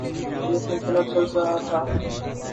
یہ سلسلہ چل رہا تھا۔